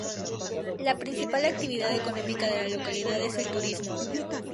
La principal actividad económica de la localidad es el turismo.